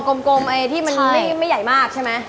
กล่องกลมที่ไม่ใหญ่มากใช่ไหม